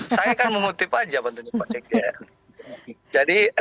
saya kan memutip saja pantunnya pak sekjen